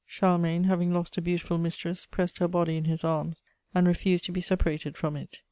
Charlemagne, having lost a beautiful mistress, pressed her body in his arms and refused to be separated from it.